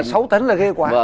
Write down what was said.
khấu tấn là ghê quá